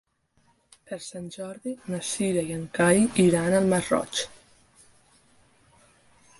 Per Sant Jordi na Cira i en Cai iran al Masroig.